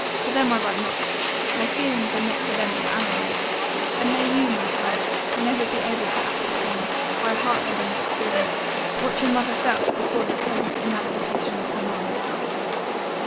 To them I write not my feelings are not for them to analyze; and may you, my child, never be able to ascertain, by heart rending experience, what your mother felt before the present emancipation of her mind!